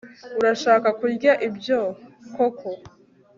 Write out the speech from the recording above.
Urashaka kurya ibyo koko